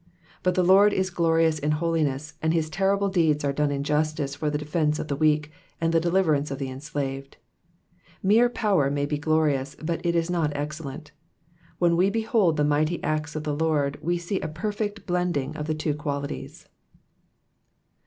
But the Lord is glorious in holiness, and his terrible deeds are done in justice for the defence of the weak and the deliverance of the enslaved. 3Iere power may be glorious, but it is not excel lent : when wo behold the mighty acts of the Lord, we see a perfect blending of the two qualities.